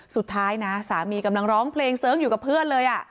สุดท้ายนะสามีกำลังร้องเพลงเสิร์งอยู่กับเพื่อนเลย